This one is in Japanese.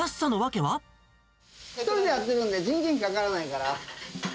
１人でやってるんで、人件費かからないから。